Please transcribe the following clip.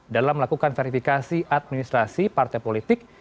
dalam melakukan verifikasi administrasi partai politik